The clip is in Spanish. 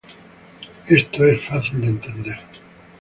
Esto es fácil de entender.